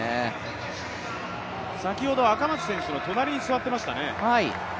先ほど赤松選手の隣に座っていましたね。